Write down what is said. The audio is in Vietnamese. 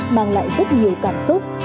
mang lại rất nhiều cảm xúc